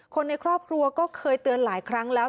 คนในครอบครัวก็เคยเตือนหลายครั้งแล้ว